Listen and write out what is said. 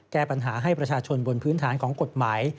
แก้ปัญหาให้ประชาชนบนพื้นฐานของกฎหมาย